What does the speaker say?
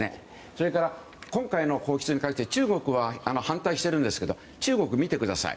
それから、今回の放出に関して中国は反対しているんですけど中国を見てください。